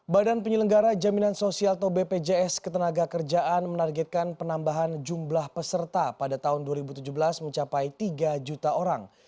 badan penyelenggara jaminan sosial atau bpjs ketenaga kerjaan menargetkan penambahan jumlah peserta pada tahun dua ribu tujuh belas mencapai tiga juta orang